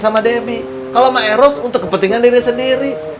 sama debbie kalau sama eros untuk kepentingan diri sendiri